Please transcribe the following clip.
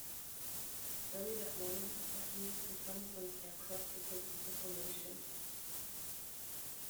Early that morning, a Japanese reconnaissance aircraft located the formation.